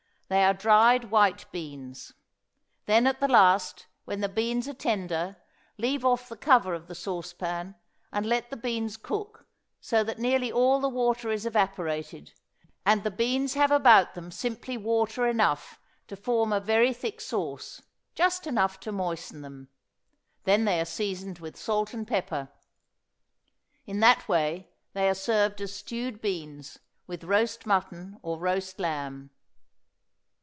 They are dried white beans. Then at the last, when the beans are tender, leave off the cover of the sauce pan and let the beans cook, so that nearly all the water is evaporated, and the beans have about them simply water enough to form a very thick sauce, just enough to moisten them. Then they are seasoned with salt and pepper. In that way they are served as stewed beans, with roast mutton or roast lamb.